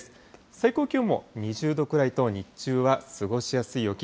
最高気温も２０度くらいと、日中は過ごしやすい陽気。